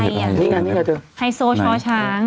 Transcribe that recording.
นี่ไงนี่ไงเท้า